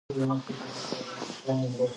موږ بايد له نورو ژبو سره اړيکې ولرو.